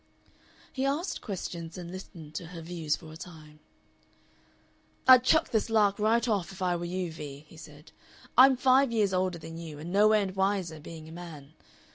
He asked questions and listened to her views for a time. "I'd chuck this lark right off if I were you, Vee," he said. "I'm five years older than you, and no end wiser, being a man.